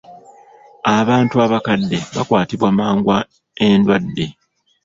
Abantu abakadde bakwatibwa mangu endwadde.